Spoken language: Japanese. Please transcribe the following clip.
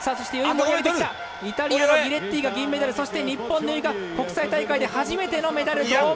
イタリアのギレッティが銀メダルそして日本の由井が国際大会で初めてのメダルやっ